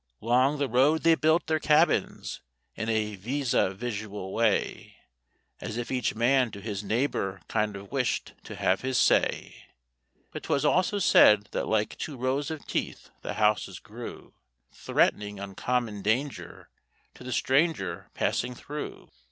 'Long the road they built their cabins, in a vis a visual way, As if each man to his neighbour kind of wished to have his say; But 'twas also said that like two rows of teeth the houses grew, Threatening uncommon danger to the stranger passing through.